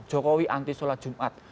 jokowi anti sholat jumat